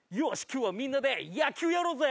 今日はみんなで野球やろうぜ！